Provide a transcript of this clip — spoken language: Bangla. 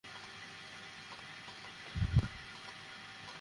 এটা খুব ছোট!